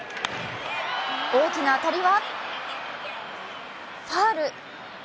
大きな当たりはファウル。